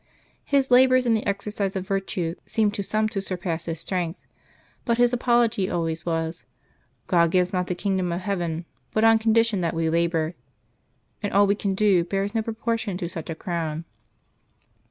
His labors in the exercise of virtue seemed to some to surpass his strength ; but his apology always was :" God gives not the kingdom of heaven but on condition that we labor ; and all we can do bears no proportion to such a crown."